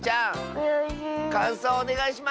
かんそうをおねがいします！